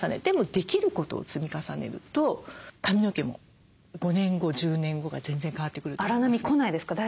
でもできることを積み重ねると髪の毛も５年後１０年後が全然変わってくると思います。